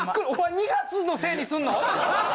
おまえ２月のせいにすんの！？